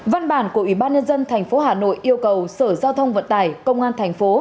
văn bản của ủy ban nhân dân tp hà nội yêu cầu sở giao thông vận tải công an thành phố